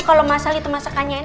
kalau mas al itu masakannya enak